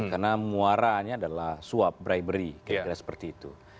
karena muaraannya adalah suap bribery kira kira seperti itu